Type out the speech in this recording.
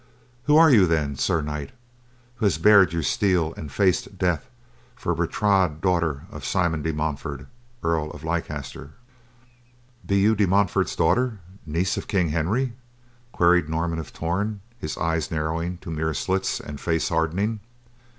Who are you then, Sir Knight, who has bared your steel and faced death for Bertrade, daughter of Simon de Montfort, Earl of Leicester?" "Be you De Montfort's daughter, niece of King Henry?" queried Norman of Torn, his eyes narrowing to mere slits and face hardening.